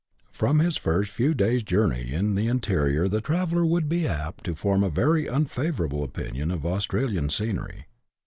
From his first few days' journey in the interior the traveller would be apt to form a very unfavourable opinion of Australian scenery.